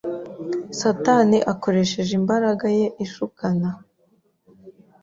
Satani akoresheje imbaraga ye ishukana,